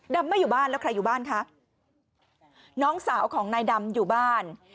ไม่อยู่บ้านแล้วใครอยู่บ้านคะน้องสาวของนายดำอยู่บ้าน